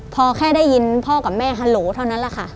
พอแค่ได้ยินพ่อกับแม่ฮัลโหลเท่านั้นแหละค่ะ